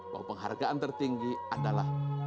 bahwa penghargaan tertinggi adalah